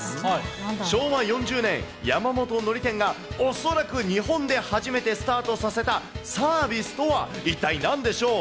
昭和４０年、山本海苔店が恐らく日本で初めてスタートさせたサービスとは一体なんでしょう。